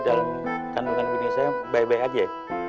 dalam kandungan gini saya baik baik saja ya